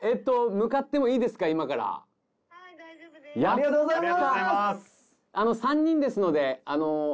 ありがとうございます。